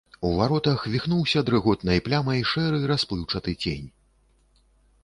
У варотах віхнуўся дрыготнай плямай шэры расплыўчаты цень.